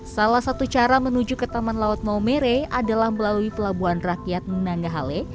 salah satu cara menuju ke taman laut maumere adalah melalui pelabuhan rakyat nanggahale